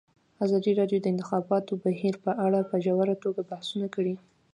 ازادي راډیو د د انتخاباتو بهیر په اړه په ژوره توګه بحثونه کړي.